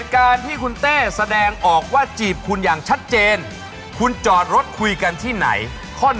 การที่คุณเต้แสดงออกว่าจีบคุณอย่างชัดเจนคุณจอดรถคุยกันที่ไหน